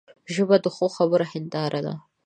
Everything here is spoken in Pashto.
ژبه د ښو خبرو هنداره ده